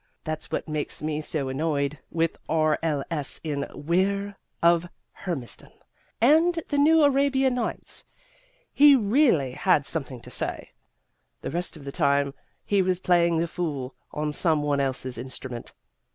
That's what makes me so annoyed with R.L.S. In 'Weir of Hermiston' and the 'New Arabian Nights' he really had something to say; the rest of the time he was playing the fool on some one else's instrument.